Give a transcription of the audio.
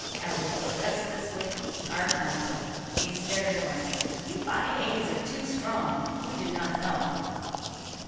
I will discuss this with ... our council." He stared at Orne. "You I A's are too strong. We did not know."